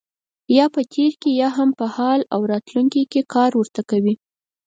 یا په تېر کې یا هم په حال او راتلونکي کې کار ورته کوي.